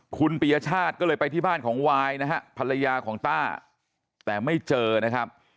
คุณปียชาติก็เลยไปที่บ้านของวายนะฮะภรรยาของต้าแต่ไม่เจอนะครับ